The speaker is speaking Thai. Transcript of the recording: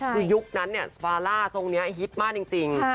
คือยุคนั้นเนี่ยสปาล่าทรงนี้ฮิตมากจริง